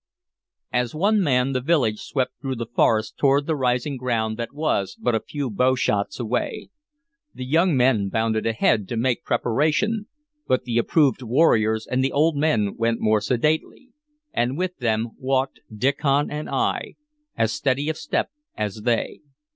As one man, the village swept through the forest toward the rising ground that was but a few bowshots away. The young men bounded ahead to make preparation; but the approved warriors and the old men went more sedately, and with them walked Diccon and I, as steady of step as they.